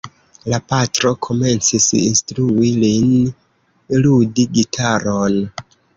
La patro komencis instrui lin ludi gitaron.